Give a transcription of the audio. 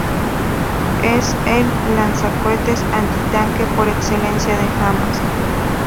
Es el lanzacohetes antitanque por excelencia de Hamás.